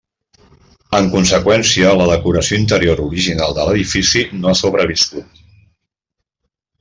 En conseqüència, la decoració interior original de l'edifici no ha sobreviscut.